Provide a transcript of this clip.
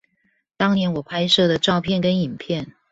當年我拍攝的照片跟影片